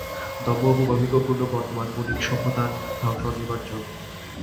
দম্ভ এবং অহমিকাপূর্ণ বর্তমান বণিক্-সভ্যতার ধ্বংস অনিবার্য।